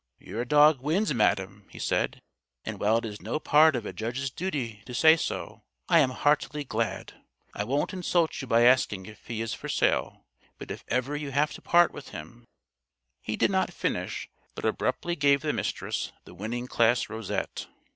"Your dog wins, Madam," he said, "and while it is no part of a judge's duty to say so, I am heartily glad. I won't insult you by asking if he is for sale, but if ever you have to part with him " He did not finish, but abruptly gave the Mistress the "Winning Class" rosette.